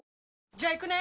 じゃあ行くね！